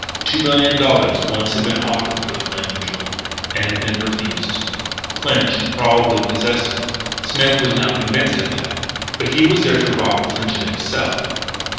Two million dollars once had been offered for the Flaming Jewel; and had been refused. Clinch probably possessed it. Smith was now convinced of that. But he was there to rob Clinch of it himself.